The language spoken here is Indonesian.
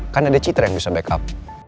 kan ada citra yang bisa backup